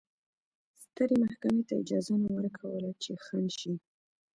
سترې محکمې ته اجازه نه ورکوله چې خنډ شي.